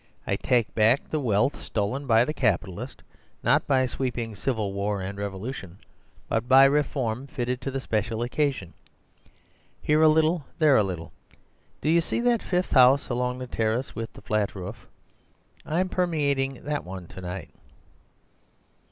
I take back the wealth stolen by the capitalist, not by sweeping civil war and revolution, but by reform fitted to the special occasion—here a little and there a little. Do you see that fifth house along the terrace with the flat roof? I'm permeating that one to night.